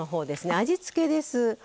味付けです。